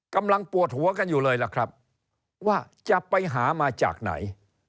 กำลังปวดหัวกันอยู่เลยล่ะครับว่าจะไปหามาจากไหน